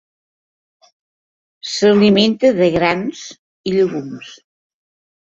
S'alimenta de grans i llegums.